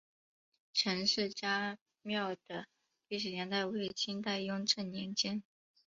陈氏家庙的历史年代为清代雍正年间。